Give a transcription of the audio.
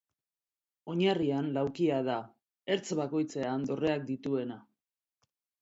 Oinarrian laukia da, ertz bakoitzean dorreak dituena.